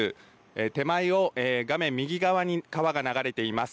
手前を画面右側に川が流れています。